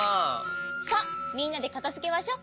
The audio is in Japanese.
さあみんなでかたづけましょ。